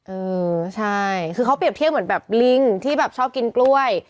เออใช่คือเขาเปรียบเทียบเหมือนแบบลิงที่แบบชอบกินกล้วย